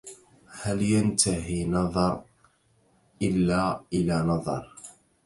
هل ينتهي نظر إلا إلى نظر